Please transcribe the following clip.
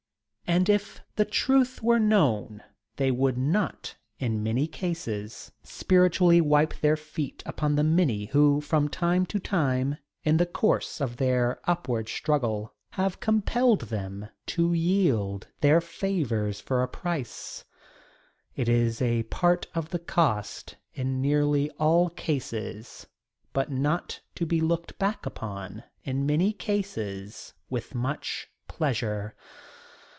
And if the truth were known, they would not, in many cases, spiritually wipe their feet upon the many who from time to time, in the course of their upward struggle, have compelled them to yield their favors for a price. It is a part of the cost in nearly all cases but not to be looked back upon in many cases with much pleasure.